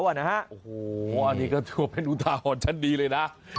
โอ้โฮอันนี้ก็ถูกเป็นอุตาหอดชั้นดีเลยนะ